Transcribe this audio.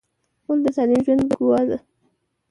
غول د سالم ژوند ګواه دی.